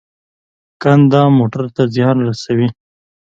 کنده موټر ته زیان رسوي.